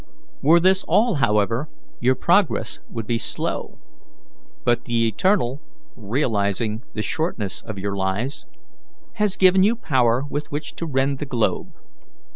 Were this all, however, your progress would be slow; but the Eternal, realizing the shortness of your lives, has given you power with which to rend the globe.